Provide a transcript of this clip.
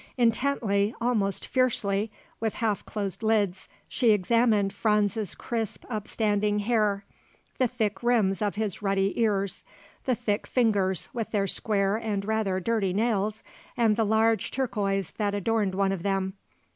Intently, almost fiercely, with half closed lids, she examined Franz's crisp upstanding hair, the thick rims of his ruddy ears, the thick fingers with their square and rather dirty nails and the large turquoise that adorned one of them.